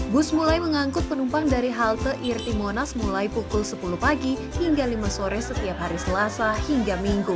bus mulai mengangkut penumpang dari halte irti monas mulai pukul sepuluh pagi hingga lima sore setiap hari selasa hingga minggu